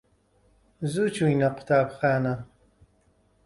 زوو چووینە قوتابخانە.